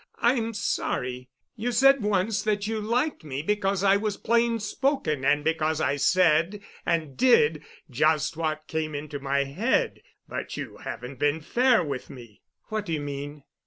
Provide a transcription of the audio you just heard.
I'm sorry. You said once that you liked me because I was plain spoken and because I said and did just what came into my head, but you haven't been fair with me." "What do you mean?"